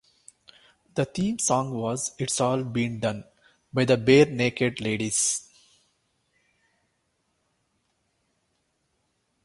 The theme song was "It's All Been Done" by the Barenaked Ladies.